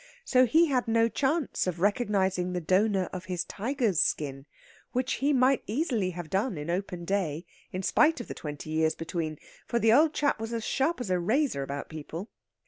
So he had no chance of recognizing the donor of his tiger's skin, which he might easily have done in open day, in spite of the twenty years between, for the old chap was as sharp as a razor about people.